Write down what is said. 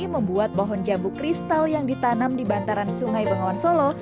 membuat pohon jambu kristal yang ditanam di bantaran sungai bengawan solo